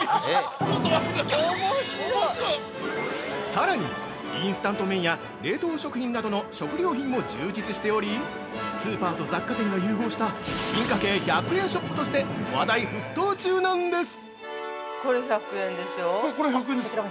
さらに、インスタント麺や冷凍食品などの食料品も充実しており、スーパーと雑貨店が融合した進化系１００円ショップとして話題沸騰中なんです！